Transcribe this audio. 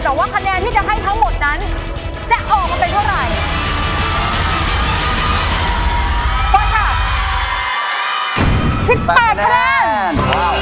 แต่ว่าคะแนนที่จะให้ทั้งหมดนั้นจะออกมาเป็นเท่าไหร่